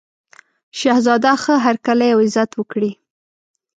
شهزاده ښه هرکلی او عزت وکړي.